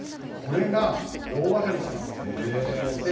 これが大当たりします。